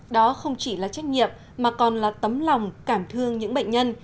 đó không chỉ là trách nhiệm mà còn là tấm lòng cảm thương những bệnh nhân